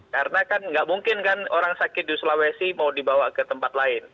karena kan tidak mungkin orang sakit di sulawesi mau dibawa ke tempat lain